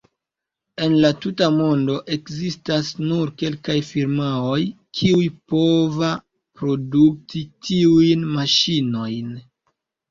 En la tuta mondo ekzistas nur kelkaj firmaoj, kiuj pova produkti tiujn maŝinojn.